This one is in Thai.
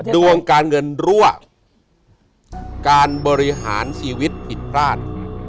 ดวงการเงินรั่วการบริหารชีวิตผิดพลาด